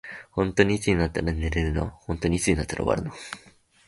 ほんとにいつになったら寝れるの。